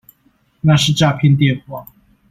那是詐騙電話